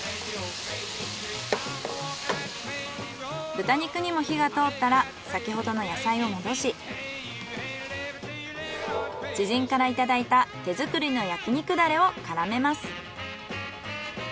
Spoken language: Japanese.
豚肉にも火が通ったら先ほどの野菜を戻し知人からいただいた手作りの焼肉ダレを絡めます。